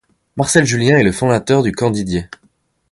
Marcel Julien est le fondateur du Camp Didier.